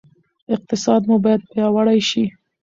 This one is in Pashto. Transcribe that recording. اقتصاد مو باید پیاوړی شي.